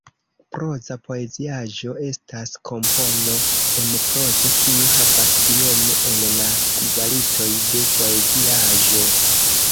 Proza poeziaĵo estas kompono en prozo kiu havas iome el la kvalitoj de poeziaĵo.